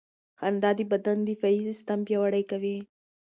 خندا د بدن دفاعي سیستم پیاوړی کوي.